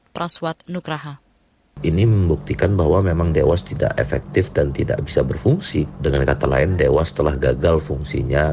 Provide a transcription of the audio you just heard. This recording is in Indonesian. pertama kali kita berkahwin